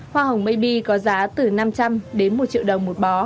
hoa hồng maybe có giá từ năm trăm linh đến một triệu đồng một bò